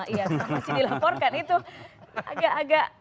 iya tetap dilaporkan itu agak agak